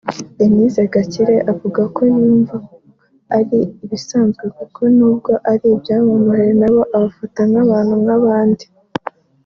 Denise Gakire avuga ko yumva ari ibisanzwe kuko n’ubwo ari ibyamamare nabo abafata nk’abantu nk’abandi